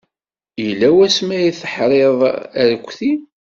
Yella wasmi ay teḥriḍ arekti?